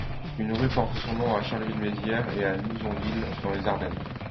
Une rue porte son nom à Charleville-Mézières et à Nouzonville, dans les Ardennes.